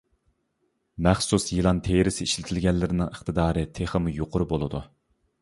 مەخسۇس يىلان تېرىسى ئىشلىتىلگەنلىرىنىڭ ئىقتىدارى تېخىمۇ يۇقىرى بولىدۇ.